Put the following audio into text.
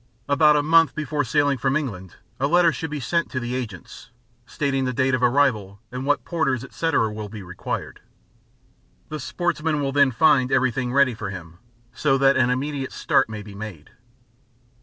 About a month before sailing from England a letter should be sent to the agents, stating the date of arrival and what porters, etc., will be required. The sportsman will then find everything ready for him, so that an immediate start may be made.